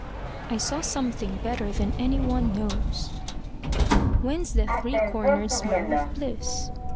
I saw something better than any one knows. Whence that three cornered smile of bliss?